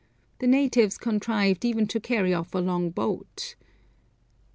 The natives contrived even to carry off a long boat.